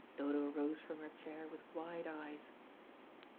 Dodo rose from her chair with wide eyes.